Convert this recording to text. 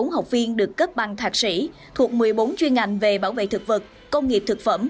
hai trăm bốn mươi bốn học viên được cấp bằng thạc sĩ thuộc một mươi bốn chuyên ngành về bảo vệ thực vật công nghiệp thực phẩm